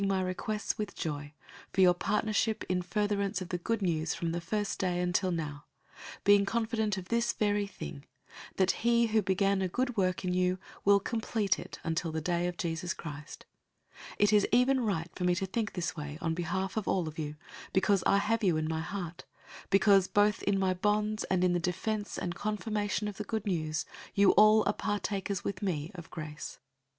"} in furtherance of the Good News from the first day until now; 001:006 being confident of this very thing, that he who began a good work in you will complete it until the day of Jesus Christ. 001:007 It is even right for me to think this way on behalf of all of you, because I have you in my heart, because, both in my bonds and in the defense and confirmation of the Good News, you all are partakers with me of grace.